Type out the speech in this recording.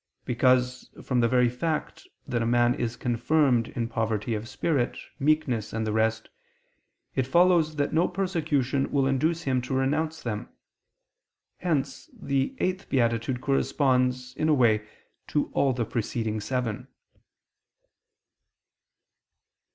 Because from the very fact that a man is confirmed in poverty of spirit, meekness, and the rest, it follows that no persecution will induce him to renounce them. Hence the eighth beatitude corresponds, in a way, to all the preceding seven.